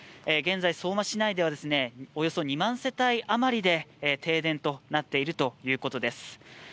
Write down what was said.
現在、相馬市内ではおよそ２万世帯で停電となっているということです。